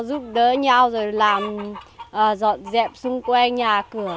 giúp đỡ nhau rồi làm dọn dẹp xung quanh nhà cửa